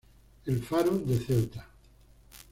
El Faro de Ceuta.